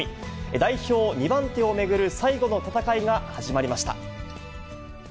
代表２番手を巡る最後の戦いが始まりました。